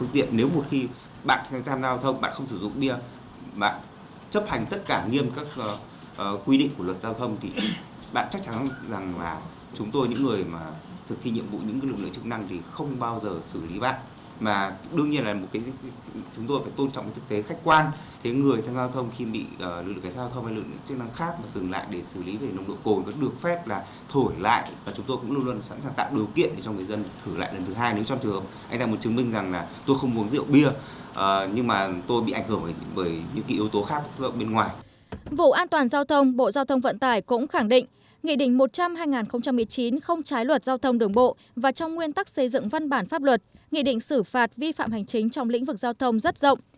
vụ an toàn giao thông bộ giao thông vận tải cũng khẳng định nghị định một trăm linh hai nghìn một mươi chín không trái luật giao thông đường bộ và trong nguyên tắc xây dựng văn bản pháp luật nghị định sử phạt vi phạm hành chính trong lĩnh vực giao thông rất rộng